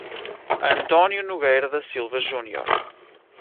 Antônio Nogueira da Silva Junior